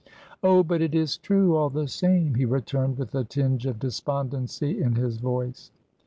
"Oh, but it is true, all the same," he returned, with a tinge of despondency in his voice.